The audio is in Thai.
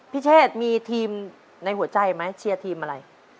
เชษมีทีมในหัวใจไหมเชียร์ทีมอะไร